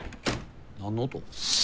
何の音？